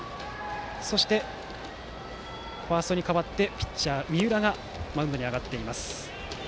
そしてファーストに代わってピッチャー、三浦がマウンドに上がっています。